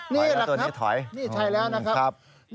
นี่แหละครับนี่ใช่แล้วนะครับครับถอย